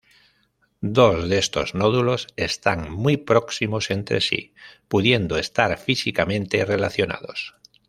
Dos de estos nódulos están muy próximos entre sí, pudiendo estar físicamente relacionados.